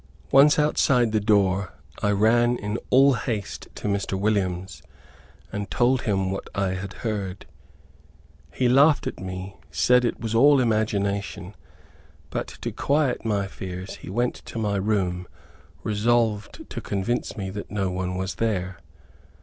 Once outside the door, I ran in all haste to Mr. Williams, and told him what I had heard. He laughed at me, said it was all imagination, but, to quiet my fears, he went to my room resolved to convince me that no one was there.